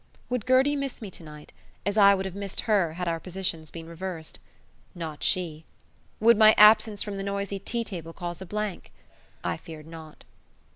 Would Gertie miss me tonight, as I would have missed her had our positions been reversed? Not she. Would my absence from the noisy tea table cause a blank? I feared not.